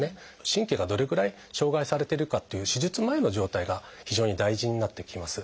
神経がどれぐらい障害されてるかっていう手術前の状態が非常に大事になってきます。